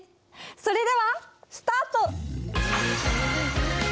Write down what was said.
それではスタート！